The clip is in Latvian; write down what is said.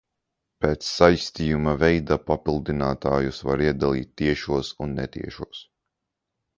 Pēc saistījuma veida papildinātājus var iedalīt tiešos un netiešos.